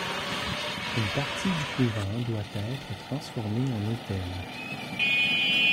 Une partie du couvent doit être transformée en hôtel.